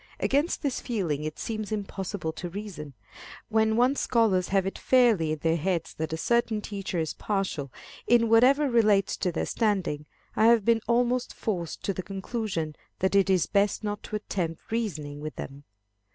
Against this feeling it seems impossible to reason. When once scholars have it fairly in their heads that a certain teacher is partial, in whatever relates to their standing, I have been almost forced to the conclusion that it is best not to attempt reasoning with them.